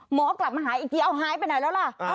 หมอกลับมาหาอีกทีเอาหายไปไหนแล้วล่ะ